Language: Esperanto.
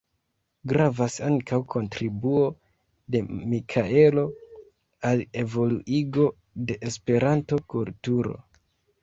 Gravas ankaŭ kontribuo de Mikaelo al evoluigo de Esperanto-kulturo.